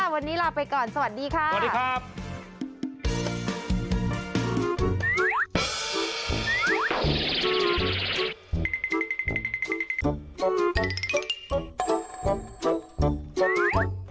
วันนี้ลาไปก่อนสวัสดีค่ะสวัสดีครับ